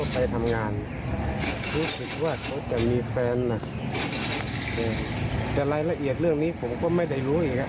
เสียใจแล้วไม่ได้รู้